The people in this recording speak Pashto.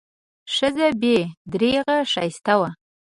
ښځه بې درېغه ښایسته وه.